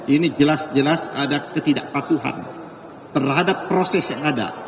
ini jelas jelas ada ketidakpatuhan terhadap proses yang ada